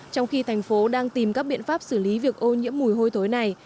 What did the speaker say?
trong khi thành phố đang tìm các biện pháp xử lý việc ô nhiễm mùi hôi thối này